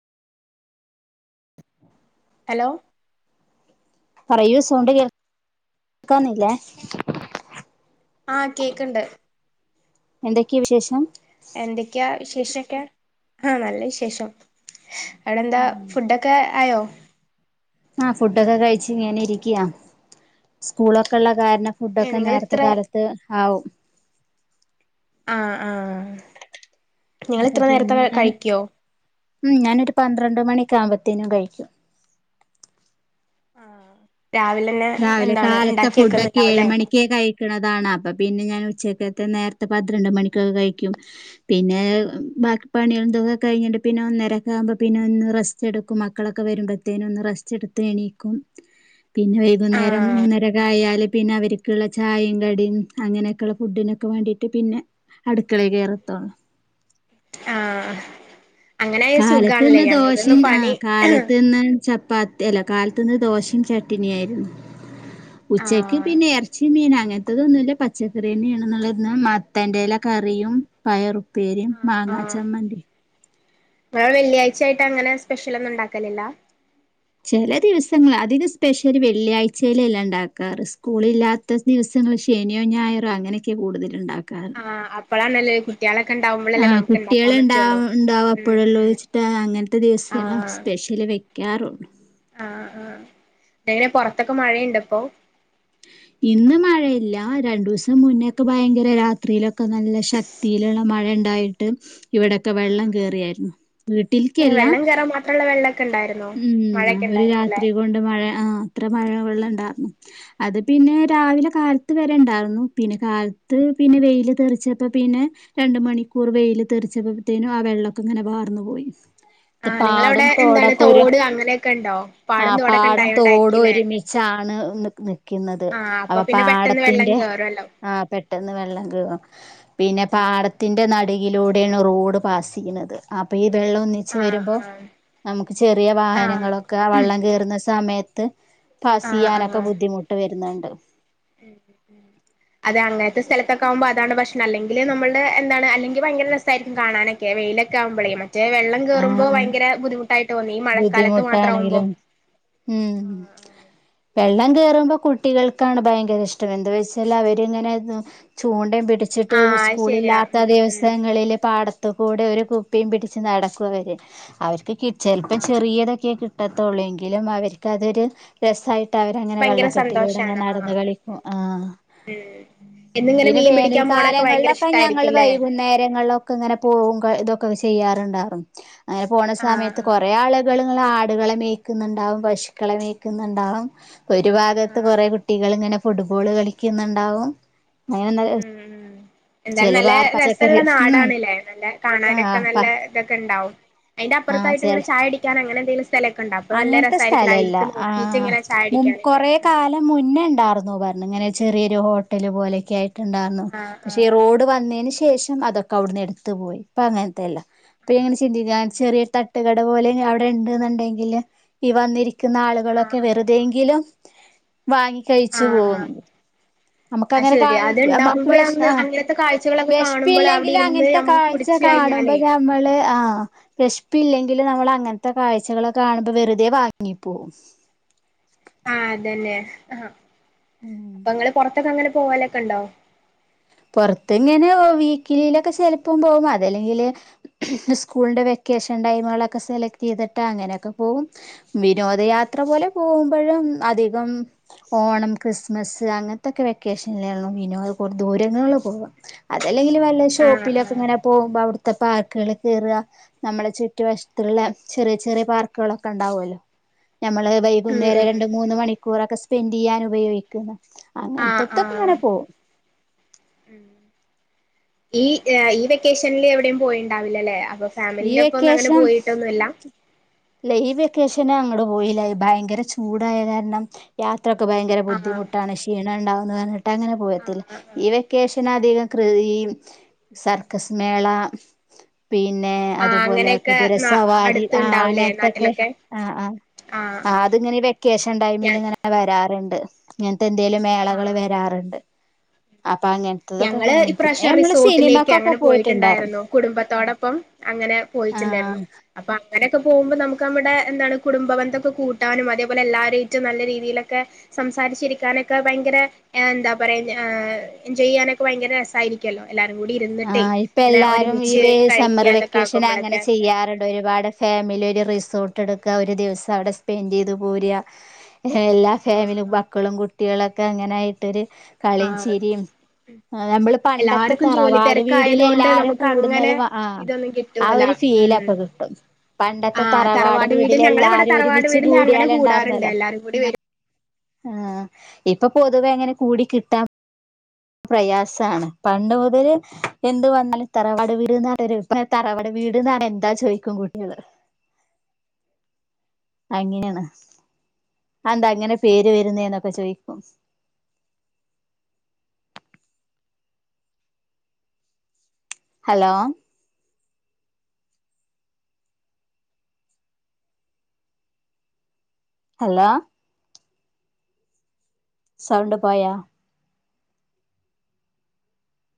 Hello പറയൂ sound കേൾക്കാന്നില്ലേ ആഹ് കേക്കണ്ട് എന്തൊക്കെയ വിശേഷം എന്തൊക്കെയാ വിശേഷൊക്കെ ആഹ് നല്ല വിശേഷം അവിടെന്താ ഉം ഫുഡൊക്ക ആയോ ആഹ് ഫുഡൊക്കെ കഴിച്ച് ഇങ്ങനെ ഇരിക്കയാ സ്കൂളൊക്കെ ഉള്ള കാരണം ഏഹ് ഫുഡൊക്കെ നേരത്തെ നിങ്ങളിത്ര കാലത്ത് ആവും ആഹ് ആഹ് നിങ്ങള് അപ്പൊ ഇത്ര നേരത്തെ പിന്നെ ക ഞാൻ കഴിക്കുവോ ഉം ഞാനൊരു പന്ത്രണ്ട് മണിക്കാവുമ്പത്തേനും കഴിക്കും ആഹ് രാവിലന്നെ എന്താണ് ഇണ്ടാക്കി വെക്കുന്നുണ്ടാവൂല്ലേ ക്കേ കഴിക്കണതാണ് അപ്പ പിന്നെ ഞാൻ ഉച്ചക്കത്തെ നേരത്തെ പന്ത്രണ്ട് മണിക്കൊക്കെ കഴിക്കും പിന്നെ ബാക്കി പണിയും ഇതൊക്കെ കഴിഞ്ഞിട്ട് പിന്നെ ഒന്നരേക്ക ആകുമ്പ പിന്നെ ഒന്ന് റസ് ചെടുക്കും മക്കളൊക്കെ വരുമ്പോത്തേനും ഒന്ന് റസ്റ്റ് എടുത്ത് എണീക്കും പിന്നെ വൈകുന്നേരം ആഹ് മൂന്നേര ര ആയാല് പിന്നെ അവർക്കുള്ള ചായെം കടിയും അങ്ങനെയൊക്കെള്ള ഫുഡിനൊക്കെ വേണ്ടിട്ട് പിന്നെ അടുക്കള കയറത്തോ ആഹ് അങ്ങനായ കാലത്ത് സുഖാണല്ലേ ന്ന് ഞങ്ങൾതൊന്നും ദോശയും ആഹ് പണി കാലത്ത് ന്ന് ചപ്പാത്തി ഇല കാലത്തുനിന്ന് ദോശയും ചട്ടണിയയിരുന്നു ഉച്ചക്ക് ആഹ് പിന്നെ ഇറ ച്ചി മീന അങ്ങൻത്തതൊന്നുല്ല പച്ചക്കററിന്നെയണ എന്നുള്ളന്ന് മത്തന്റെല്ല കറിയും പയറുപ്പേരിയും ആഹ് മാങ്ങാച്ചമ്മന്തി പ്പയാ വെള്ളിയാഴ്ചായിട്ട് അങ്ങനെ സ്പെഷ്യൊന്നും ഉണ്ടാക്കലില്ല? ചില ദിവസങ്ങൾ അതിന് സ്പെഷ്യല് വെള്ളിയാഴ്ചയിലല്ലാം ഉണ്ടാക്കാറ് സ്കൂളില്ലാ റ്റ ദിവസങ്ങൾ ശനിയോ ഞായറോ അങ്ങനെയൊക്കെ കൂടുതല് ഉണ്ടാക്കാറ്. ആഹ് അപ്പളാനല്ലേ കു ആഹ് കുട്ടികൾ ഇണ്ടാവ ഉണ്ടാവും ഉം അപ്പോഴള്ളോ ഉം ച്ചിട്ടാ അങ്ങൻത്തെ ദിവസ് ചെലാ ആഹ് സ്പെഷ്യല് വെക്കാറുള്ളു. ആഹ് ആഹ് ങ്ങനെ പുറത്തൊക്കെ മഴയുണ്ട്പ്പോ? ഇന്ന് മഴയില്ല രണ്ടു ദിവസം മുന്നേക്കെ ഭയങ്കര രാത്രിയിലൊ ഒക്കെ നല്ല ശക്തിയിലുള്ള മഴ ഉണ്ടായിട്ട് ഇവിടെക്കെ വെള്ളം ആഹ് കേയറിയായിരുന്നു വീട്ടിൽക്കല്ല ഉള്ള വെള്ളൊക്കെ ണ്ടായിരുന്നു ഉം ഒരു രാത്രി കൊണ്ട് മഴ ആഹ് അത്ര മഴ വെള്ളുണ്ടായിരു അത് പിന്നെ രാവിലെ കാൽ ത് വരെ ഉണ്ടായിരുന്നു പിന്നെ കാലത്ത് പിന്നെ വെൽ തെറിച്ചപ്പോ പിന്നെ രണ്ട് മണിക്കൂർ വെയില് തീറിച്ചപ്പോത്തേനും ആ വെള്ളൊക്കെങ്ങനെ വാർന്നു പോയി. ത് ആഹ് പാടും നിങ്ങളവിടെ എന്താണ് തോടൊക്കെ ഒരു തോട് അങ്ങനെയൊക്കെ ഇണ്ടോ ആ പാടം തോടൊക്കെ പാടും തോടും ഇണ്ടായോണ്ടായിരിക്കുംല്ലേ ഒരു മിച്ചാണ് നിക്കുന്നത് ആഹ് അപ്പൊ അപ്പ പിന്നെ പെട്ടെന്ന് വെള്ളം പാടത്തിന്റെ കേറുവല്ലോ ആഹ് പെട്ടെന്ന് വെള്ളം കെറോ? പിന്നെ പാടത്തിന്റെ നട് കിലൂടെണ് റോഡ് പാസ്യ്യുന്നത് അപ്പൊ ഈ വെള്ളം ഒന്ന ആഹ് ആഹ് ചെറിയ ആഹ് വാഹനങ്ങളൊക്കെ ആ വെള്ളം കയറുന്ന സമയത്ത് ആഹ് ആഹ് പാസ്യ്യാനൊക്കെ ബുദ്ധിമുട്ട് ട്ട് വരുന്നുണ്ട്.. ഉം ഉം അതെ അങ്ങത്തെ സ്ഥലത്തൊക്കെ ആഉമ്പോ അതാണ് പശ്ണം അല്ലെങ്കിൽ നമ്മുടെ എന്താണ് അല്ലെങ്കി ഭയങ്കര രസ് സായിരിക്കും കാണാനൊക്കെ വെയിലൊക്കെ ആഉമ്പളെ മറ്റെ വെള്ളം ആ കേറുമ്പോ ഭയര ബുദ്ധിുട്ട് ട്ടോണി ഈ മഴക്കാലത്ത് മാത്രംവുമ്പോ ബുദ്ധിമുട്ടാണെങ്കിലും ഉം വെള്ളം കേറുമ്പോ കുട്ടികൾക്കാണ് ഭയങ്കര ഇഷ്ടം എന്താ വെച്ചാ അവരിങ്ങനെ ചൂണ്ടയും പിടിച്ചിട്ട് ആഹ് അത് സ്കൂള ശരിയാ ഇില്ലാത്ത ഉം ഉം ദിവസങ്ങളില് പാടത് ത്കൂടെ ഒരു കുപ്പിയും പിടിച്ച് നടക്കുംവർ അവർക്ക് കിച്ച ആഹ് ട്ടത്തുള്ളൂങ്കിലും അവർക്കതൊരു രസയി ട്ട് അവരങ്ങനെ ഭയങ്കര വെള്ളക്കെട്ടിലൂടെങ്ങെ സന്തോഷാണ് ആഹ് നടന്ന് കളിക്കും ഉം ആഹ് ഉം എന്നിങ്ങനെ പിന്നെ മീൻ വേനൽ പിടിക്കാൻ പോണൊക്കെ ഭയങ്കര കാലങ്ങളിലൊക്കെ ഞങ്ങൾ ഇഷ്ടായിരിക്കുംല്ലേ വൈകുന്നേരങ്ങളിലൊ ക്കെങ്ങനെ പോകും ക ഇതൊക്കെ ചെയ്യാറുണ്ടാറും അങ്ങനെ പോണ ആഹ് സമയത്ത് കൊറേ ആളുകൾ ആടുകളെ മേക്കുന്നുണ്ടാവും പശുക്കളെ മേക്കുന്നുണ്ടാവും ഒരു ആഹ് ഭാഗത്ത് ആഹ് കുറെ ആഹ് കുട്ടികൾ ഇങ്ങനെ ഫുട്ബോള് കളിക്കുന്നുണ്ടാവും അങ്ങ ഉം ഉം എന്തായാലും നല്ല രസള്ള പച്ചക്കറി ഉം നാടാണല്ലേ നല്ല കാണാനൊക്കെ ആഹ് നല്ല പ ഇതൊക്കെ ഉണ്ടാവും. ആഹ് അയ്ന്റെപ്പുറത്തായിട്ട് ചെല ഇങ്ങെനെ ചായടിക്കൻ അങ്ങനെന്തെല് സ്ഥലൊക്കെണ്ട അപ്പോ നല്ല അങ്ങനത്തെ രസായിരിക്കുല്ല സ്ഥലല്ല അയിൽക്ക് നോക്കിട്ട്ങ്ങെനെ ചായടിക്കാനൊക്കെ ഉം ലെ മുന്നേണ്ടായിർന്നു പറഞ്ഞങ്ങനെ ചെറിയൊരു ഹോട്ടല് പോലൊക്കെ ആയിട്ടുണ്ടന്നു. ആഹ് പക്ഷേ ആഹ് റോഡ് വന്നയ്ന് ശേഷം അതൊക്കെ അവിടുന്ന് എടുത്ത് പോയി ഇപ്പൊ അങ്ങൻത്തെയല്ല ഇപ്പൊ ആഹ് ങ്നെ ചിന്തിക്കാൻ ഉം ചെറിയ തട്ടുകട പോലെ അവിടെ ഉണ്ട് എന്നുണ്ടെങ്കില് ഈ വന്നിരിക്കുന്ന ആഹ് ആളുകളൊക്കെ ആഹ് വെറുതെങ്കിലും വാങ്ങി കഴിച്ചു ആഹ് ആഹ് പോകു അത് നമുക്ക്ങ്ങനെ ക ശെരിയാ എ മ വേഷക് അത്ണ്ടാവുമ്പളന്ന് അങ്ങനത്തെ കാഴ്ചകളൊക്കെ കാണുമ്പള് അവിടെ വിശപ്പില്ലെങ്കിലും ഇരുന്ന് അങ്ങനത്തെ നമുക്ക് കാഴ്ച കുടിച്ച് കഴിഞ്ഞാലേ കാണുമ്പോ നമ്മള് ആഹ വിശപ്പില്ലെങ്കിലും നമ്മൾ അങ്ങനത്തെ കാഴ്ചകളൊക്കെ കാണുമ്പോ വെറുതെ വാങ്ങിപ്പോകും ആഹ അതന്നെ ആഹാ അപ്പൊ നിങ്ങള് പൊറാത്തൊക്കെ അങ്ങനെ പോവാലൊക്കെ ഉണ്ടോ പൊറത്ത് ഇങ്ങനെ വീക്കിലിയിലൊക്കെ ചെലപ്പം പോകും അതല്ലെങ്കില് സ്കൂളിന്റെ വെക്കേഷൻ ടൈമുകളൊക്കെ സെലക്ട് ചെയ്തിട്ട് അങ്ങനെയൊക്കെ പോകും വിനോദയാത്ര പോലെ പോകുമ്പോഴും അധികം ഓണം ക്രിസ്മസ് അങ്ങനത്തൊക്കെ വെക്കേഷൻലേള്ളു വിനോത് കൊണ്ട് പോ എങ്ങനെയുള്ള പോക അതല്ലെങ്കിൽ വല്ല ആഹ് ഷോപ്പിലൊക്കെ ആഹ് ഇങ്ങനെ പോകുമ്പോ അവിടുത്തെ പാർക്കുകളിൽ കേറുക നമ്മളെ ചുറ്റു വശത്തുള്ള ചെറിയ ചെറിയ പാർക്കുകളൊക്കെ ഉണ്ടാവുവല്ലോ ഞമ്മള് ഉം വൈകുന്നേരം ഉം രണ്ട് മൂന്ന് മണിക്കൂറൊക്കെ സ്പെൻഡ് ചെയ്യാൻ ഉപയോഗിക്കുന്ന് ആഹ് അങ്ങനത്തെട്ടൊക്കെ അങ്ങനെ ആഹ് പോകും ഉം ഈ എ ഈ വെക്കേഷനില് എവിടെയും പോയിണ്ടാവില്ലല്ലേ അപ്പൊ ഈ ഫാമിലിന്റെ ഒപ്പം ഒന്ന് അങ്ങനെ വെക്കേഷൻ പോയിട്ടൊന്നുമില്ല ഇല്ല ഈ വെക്കേഷന് അങ്ങട് പോയില്ലാ ഭയങ്കര ചൂടായാ കാരണം യാത്രക്ക് ഭയങ്കര ആഹ് ബുദ്ധിമുട്ടാണ് ക്ഷീണം ഉണ്ടാവുമെന്ന് പറഞ്ഞിട്ട് അങ്ങനെ ആഹ് പോയത്തില്ല ആഹ് ആഹ് ഇവെ വെക്കെഷനധികം കൃ ഈ സർക്കസ് മേള പിന്നെ ആഹ് അതുപോലെ അങ്ങനെയൊക്കെ കുതിര ന സവാരി ആ അങ്ങനെ അടുത്ത്ണ്ടാവൂലേ അതെക്കെ നാട്ടിലൊക്കെ ആ ആ ആഹ് അ ആഹ് അത്ങ്ങനെ വെക്കേഷൻ ടൈമിൽ ഞാൻ ഇങ്ങനെ വരാറുണ്ട് ഇങ്ങനത്തെ എന്തേലും മേളകൾ ആഹ് വരാറുണ്ട് അപ്പൊ അങ്ങനെ ഞങ്ങള് ഇപ്രാവശ്യം റിസോർട്ടിലേക്ക് അങ്ങനെ പോയിട്ടുണ്ടായിരുന്നു കുടുംബത്തോടൊപ്പം അങ്ങനെ ആഹ് പോയിട്ടുണ്ടായിരുന്നു അപ്പൊ അങ്ങനെയൊക്കെ പോകുമ്പോ നമുക്ക് നമ്മടെ എന്താണ് കുടുംബന്ധൊക്കെ കൂട്ടാനും അതേപോലെ എല്ലാവരയിറ്റും നല്ല രീതിയിലൊക്കെ സംസാരിച്ചിരിക്കാനൊക്കെ ഭയങ്കര എന്താ പറയാ ആ എൻജോയ്ചെയ്യാനൊക്കെ ഭയങ്കര രസായിരിക്കും ക്കല്ലോ എല്ലാരും കൂടി ഇരുന്നിട്ടേ ആഹ് ഇപ്പ ഇങ്ങനെ എല്ലാരും ഈ ഒരുമിച്ച് വേ കഴിക്കാതൊക്കെ ആക്കുമ്പോളൊക്കെ ടെ ഒരുപാട് ഫാമിലി ഒരു റിസോർട്ട് എടുക്കുക ഒരു ദിവസം അവിടെ സ്പെൻഡ് ചെയ്ത് പോര്ക എല്ലാ ഫാമിലും മക്കളും കുട്ടികളൊക്കെ അങ്ങനെയായിട്ടൊരു കളിയും ആഹ് ചിരിയും നമ്മള് പണ്ടത്തെ ത എല്ലാർക്കും ജോലി താവാട് വീടിൽ തിരക്കായത് കൊണ്ട് എല്ലാരും നമുക്ക് കൂടുന്നത് അങ്ങനെ ആ ഇതൊന്നും ആ കിട്ടൂല ഒരു ഉം ഫീലാപ്പൊ കിട്ടും പണ്ടത്തെ ആഹ് തറവാട് വീട് വീടില് ഞങ്ങളിവിടെ എല്ലാരും തറവാട് ഒരുമിച്ച് വീടില് അങ്ങനെ കൂടിയാല് കൂടാറുണ്ട് ഉണ്ടായിരുന്നല്ലോ എല്ലാരും കൂടി വരും ആഹ ഇപ്പൊ പൊതുവെ അങ്ങനെ കൂടി കിട്ടാം പ്രയാസാണ് പണ്ട് മു അവര് എന്ത് വന്നാലും തറവാട് വീട്ന്നറിയു തറവാട് വീട് ന്നറിഞ്ഞ എന്താ ചോദിക്കും കുട്ടികള് അങ്ങനെയാണ് അന്താ അങ്ങനെ പേര് വരുന്ന എന്നൊക്കെ ചോയിക്കും ഹലോ ഹലോ സൗണ്ട് പോയാ